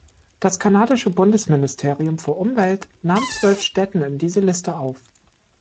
Das kanadische Bundesministerium für Umwelt nahm zwölf Stätten in diese Liste auf.